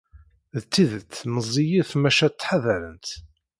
D tidet meẓẓiyit, maca ttḥadarent.